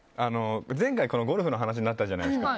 前回、ゴルフの話になったじゃないですか。